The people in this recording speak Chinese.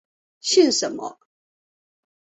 姓什么？